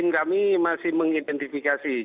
ini tim kami masih mengidentifikasikan